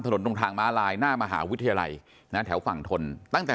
ตรงทางม้าลายหน้ามหาวิทยาลัยนะแถวฝั่งทนตั้งแต่